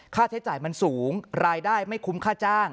ค่าใช้จ่ายมันสูงรายได้ไม่คุ้มค่าจ้าง